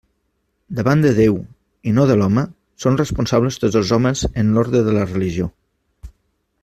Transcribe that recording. Davant de Déu, i no de l'home, són responsables tots els homes en l'ordre de la religió.